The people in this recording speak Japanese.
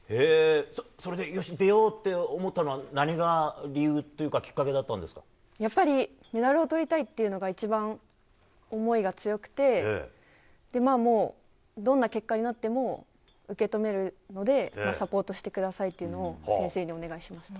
それでよし出ようって思ったのは何が理由というかやっぱりメダルをとりたいというのが一番思いが強くてどんな結果になっても受け止めるのでサポートしてくださいというのを先生にお願いしました。